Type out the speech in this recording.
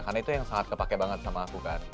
karena itu yang sangat kepake banget sama aku kan